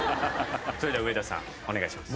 それでは上田さんお願いします。